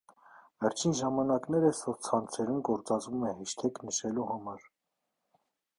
Վերջին ժամանակներս սոցցանցերում գործածվում է հեշթեգ նշելու համար։